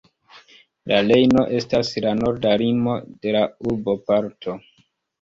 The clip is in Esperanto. La Rejno estas la norda limo de la urboparto.